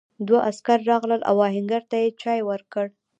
دوه عسکر راغلل او آهنګر ته یې چای ورکړ.